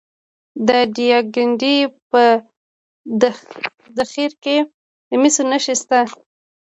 د دایکنډي په خدیر کې د مسو نښې شته.